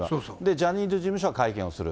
ジャニーズ事務所が会見をする。